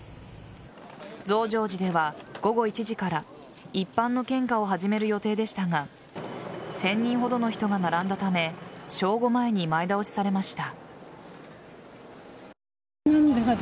増上寺では午後１時から一般の献花を始める予定でしたが１０００人ほどの人が並んだため正午前に前倒しされました。